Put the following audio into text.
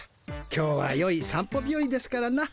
今日はよい散歩日よりですからな。